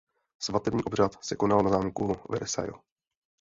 Svatební obřad se konal na zámku Versailles.